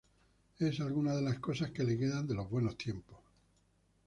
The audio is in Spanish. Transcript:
Es alguna de las cosas que le quedan de los buenos tiempos.